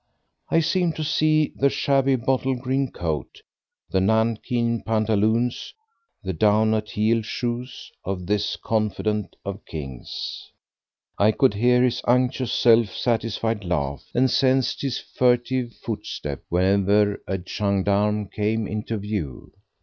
I seemed to see the shabby bottle green coat, the nankeen pantaloons, the down at heel shoes of this "confidant of Kings"; I could hear his unctuous, self satisfied laugh, and sensed his furtive footstep whene'er a gendarme came into view.